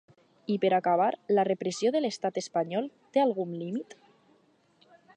I per acabar: la repressió de l’estat espanyol té algun límit?